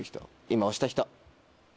今押した人。